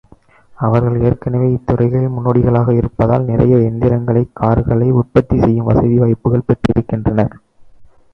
அவர்கள் ஏற்கனவே இத்துறைகளில் முன்னோடிகளாக இருப்பதால் நிறைய எந்திரங்களைக் கார்களை உற்பத்தி செய்யும் வசதி வாய்ப்புகள் பெற்றிருக்கின்றனர்.